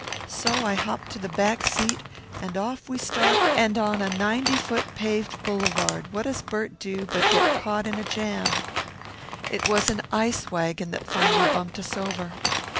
So I hop to the back seat and off we start and on a ninety foot paved boulevard what does Bert do but get caught in a jam? It was an ice wagon that finally bumped us over.